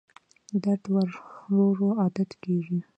درد ورو ورو عادت کېږي.